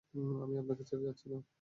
আমি আপনাকে ছেড়ে যাচ্ছিনা।